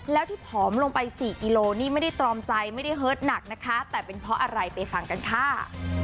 แล้วที่ผอมลงไป๔กิโลนี่ไม่ได้ตรอมใจไม่ได้เฮิตหนักนะคะแต่เป็นเพราะอะไรไปฟังกันค่ะ